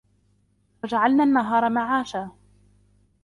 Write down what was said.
وَجَعَلْنَا النَّهَارَ مَعَاشًا